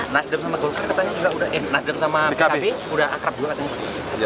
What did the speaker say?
nasdem sama golkar katanya juga udah eh nasdem sama pkb sudah akrab juga katanya